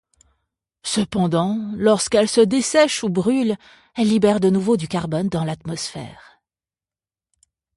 Cependant, lorsqu'elles se dessèchent ou brûlent, elles libèrent de nouveau du carbone dans l'atmosphère.